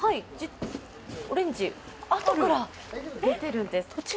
オレンジ、あとから出てるんです。